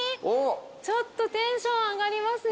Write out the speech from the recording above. ちょっとテンション上がりますね。